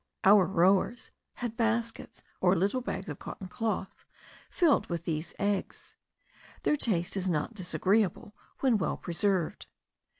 Our rowers had baskets or little bags of cotton cloth filled with these eggs. Their taste is not disagreeable, when well preserved.